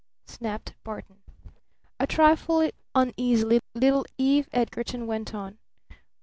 snapped Barton. A trifle uneasily little Eve Edgarton went on.